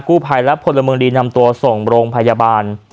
ภัยและพลเมืองดีนำตัวส่งโรงพยาบาล